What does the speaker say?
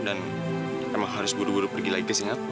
dan emang harus buru buru pergi lagi ke singapura